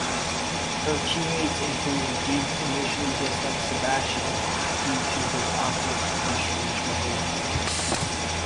Her teammates, including Duke, initially dislike "Sebastian" due to his awkward and strange behavior.